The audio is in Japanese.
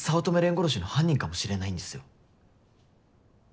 殺しの犯人かもしれないんですよ。